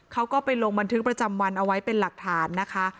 เขาก็ไปลงบันทึกประจำวันเอาไว้เป็นหลักฐานนะคะ